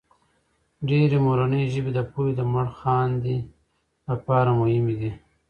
ډېرې مورنۍ ژبې د پوهې د مړخاندې لپاره مهمې دي.